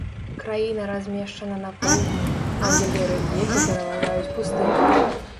Краіна размешчана на поўдні, а ў яе рэльефе пераважаюць пустыні.